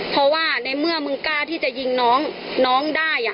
เพราะว่าในเมื่อมึงกล้าที่จะยิงน้องได้